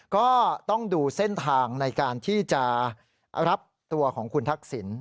ก็ต้องดูเส้นทางในการที่จะรับตัวของคุณทักษิณ